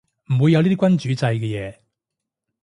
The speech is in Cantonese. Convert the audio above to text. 唔會有呢啲君主制嘅嘢